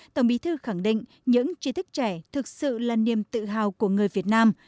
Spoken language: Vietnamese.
tổng bí thư khẳng định những chi thức trẻ thực sự là niềm tự hào của người việt nam